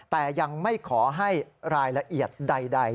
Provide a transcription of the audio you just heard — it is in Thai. แต่ยังไม่ขอให้รายละเอียดใด